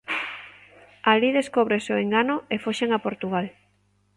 Alí descóbrese o engano e foxen a Portugal.